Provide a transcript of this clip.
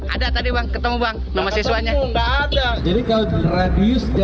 ada tadi bang ketemu bang nomor siswanya